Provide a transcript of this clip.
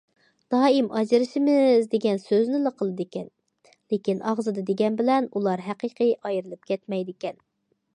دائىم« ئاجرىشىمىز» دېگەن سۆزنىلا قىلىدىكەن، لېكىن ئاغزىدا دېگەن بىلەن ئۇلار ھەقىقىي ئايرىلىپ كەتمەيدىكەن.